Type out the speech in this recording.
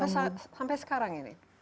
sampai sekarang ini